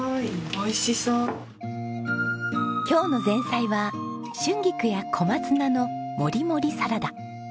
今日の前菜は春菊や小松菜のもりもりサラダ。